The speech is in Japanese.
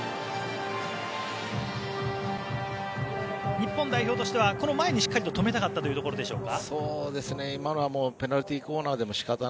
日本代表としてはこの前にしっかりと止めたかったというところでしょうか？